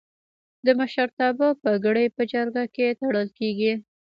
د مشرتابه پګړۍ په جرګه کې تړل کیږي.